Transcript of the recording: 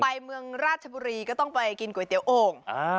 ไปเมืองราชบุรีก็ต้องไปกินก๋วยเตี๋ยโอ่ง